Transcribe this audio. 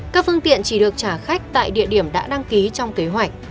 các phương tiện chỉ được trả khách tại địa điểm đã đăng ký trong kế hoạch